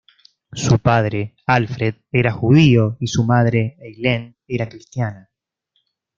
Su padre, Alfred, era judío, y su madre, Eileen, era cristiana.